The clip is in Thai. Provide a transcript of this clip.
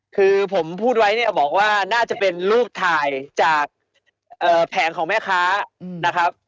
คือผมพูดไว้เนี่ยบอกว่าน่าจะเป็นรูปถ่ายจากแผงของแม่ค้านะครับ